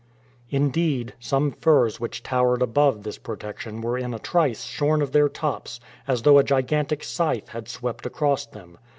Indeed, some firs which towered above this protection were in a trice shorn of their tops, as though a gigantic scythe had swept across them.